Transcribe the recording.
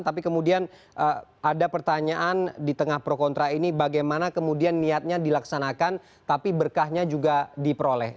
tapi kemudian ada pertanyaan di tengah pro kontra ini bagaimana kemudian niatnya dilaksanakan tapi berkahnya juga diperoleh